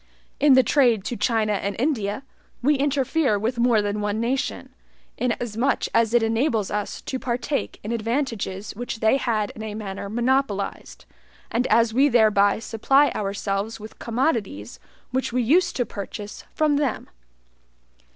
In the trade to China and India, we interfere with more than one nation, inasmuch as it enables us to partake in advantages which they had in a manner monopolized, and as we thereby supply ourselves with commodities which we used to purchase from them.